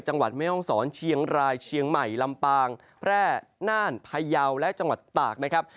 แม่ห้องศรเชียงรายเชียงใหม่ลำปางแพร่น่านพยาวและจังหวัดตากนะครับ